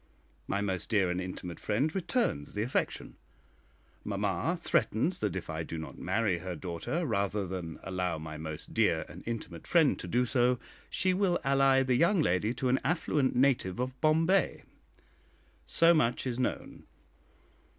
My most dear and intimate friend returns the affection. Mamma threatens that if I do not marry her daughter, rather than allow my most dear and intimate friend to do so, she will ally the young lady to an affluent native of Bombay. So much is known.